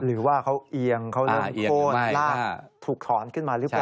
หรือว่าเขาเอียงเขาเริ่มโทษลากถูกถอนขึ้นมาหรือเปล่า